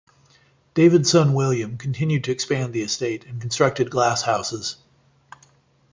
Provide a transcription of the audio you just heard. David's son William continued to expand the estate and constructed glasshouses.